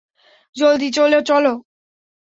জলদি, চলো, চলো।